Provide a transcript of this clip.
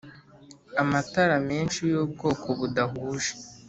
Amatara menshi y'ubwoko budahuje.